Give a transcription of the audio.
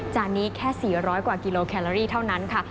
นี้แค่๔๐๐กว่ากิโลแคลอรี่เท่านั้นค่ะ